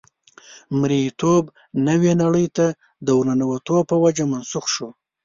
مرییتوب نوې نړۍ ته د ورننوتو په وجه منسوخ شو.